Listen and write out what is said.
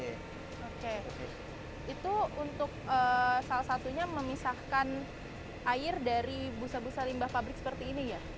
oke itu untuk salah satunya memisahkan air dari busa busa limbah pabrik seperti ini ya